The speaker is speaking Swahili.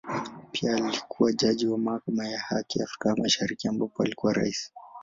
Pia alikua jaji wa Mahakama ya Haki ya Afrika Mashariki ambapo alikuwa Rais.